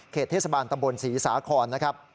เทศบาลตำบลศรีสาครนะครับ